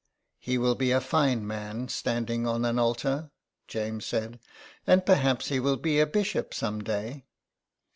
" He will be a fine man standing on an altar," James said, " and perhaps he will be a bishop some day."